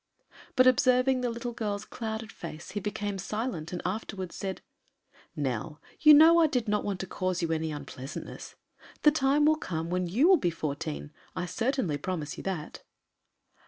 But, observing the little girl's clouded face, he became silent and afterwards said: "Nell, you know I did not want to cause you any unpleasantness. The time will come when you will be fourteen. I certainly promise you that."